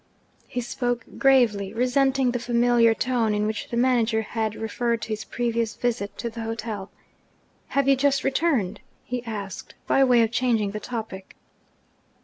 He spoke gravely, resenting the familiar tone in which the manager had referred to his previous visit to the hotel. 'Have you just returned?' he asked, by way of changing the topic.